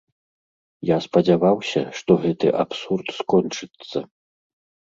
Я спадзяваўся, што гэты абсурд скончыцца.